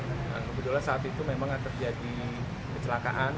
dan kebetulan saat itu memang terjadi kecelakaan